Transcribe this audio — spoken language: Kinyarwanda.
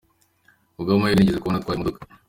Ku bw’ amahirwe nigeze kubona atwaye imodoka….